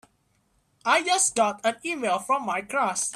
I just got an e-mail from my crush!